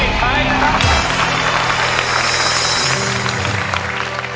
ไม่ใช่ต่อ